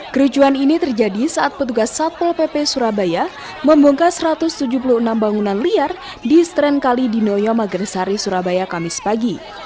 kericuan ini terjadi saat petugas satpol pp surabaya membongkar satu ratus tujuh puluh enam bangunan liar di stren kali dinoyo magersari surabaya kamis pagi